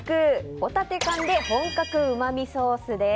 ホタテ缶で本格うまみソースです。